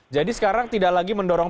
jadi sekarang tidak lagi mendorong